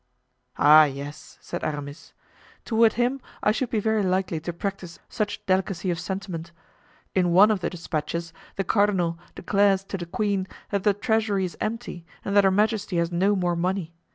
"Ah, yes!" said Aramis, "toward him I should be very likely to practice such delicacy of sentiment! In one of the despatches the cardinal declares to the queen that the treasury is empty and that her majesty has no more money.